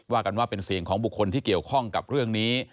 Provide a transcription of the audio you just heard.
กันว่าเป็นเสียงของบุคคลที่เกี่ยวข้องกับเรื่องนี้